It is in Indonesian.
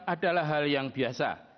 adalah hal yang biasa